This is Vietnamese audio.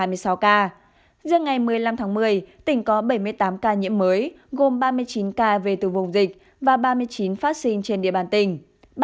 riêng ngày một mươi năm tháng một mươi tỉnh có bảy mươi tám ca nhiễm mới gồm ba mươi chín ca về từ vùng dịch và ba mươi chín phát sinh trên địa bàn tỉnh